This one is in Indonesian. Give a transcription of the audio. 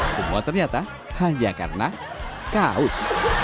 semua ternyata hanya karena kaos